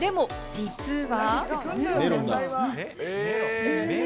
でも実は。